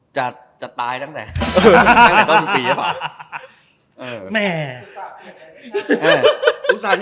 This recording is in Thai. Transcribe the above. จะจะตายตั้งแต่ต้นปีหรือปะ